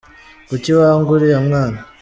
Kuki wanga uriya mwana?